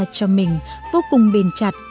cho mình vô cùng bền chặt